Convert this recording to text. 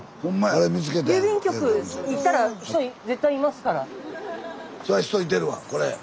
そら人いてるわこれ。